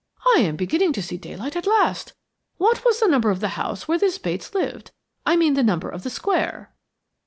"I am beginning to see daylight at last. What was the number of the house where this Bates lived? I mean the number of the square."